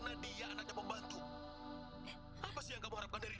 mau menikah sama anak babu gebel itu